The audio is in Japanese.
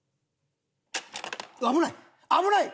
危ない危ない！